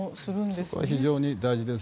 そこは非常に大事です。